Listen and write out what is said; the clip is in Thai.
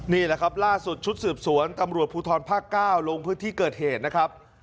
นี่แหละครับล่าสุดชุดสืบสวนตำรวจภูทรภาค๙ลงพื้นที่เกิดเหตุนะครับ